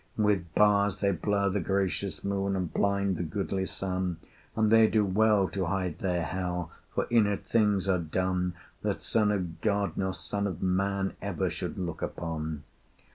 With bars they blur the gracious moon, And blind the goodly sun: And they do well to hide their Hell, For in it things are done That Son of God nor son of Man Ever should look upon!